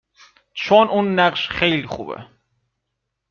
چون اون نقش خیلی خوبه